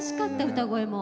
歌声も。